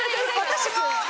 私も！